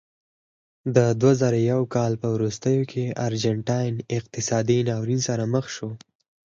د دوه زره یو کال په وروستیو کې ارجنټاین اقتصادي ناورین سره مخ و.